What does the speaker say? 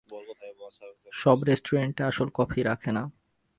সব রেস্টুরেন্টে আসল কফি রাখে না।